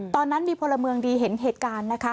ตอนนั้นมีพลเมืองดีเห็นเหตุการณ์นะคะ